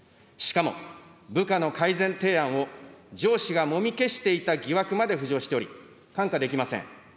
しかも、部下の改善提案を上司がもみ消していた疑惑まで浮上しており、看過できません。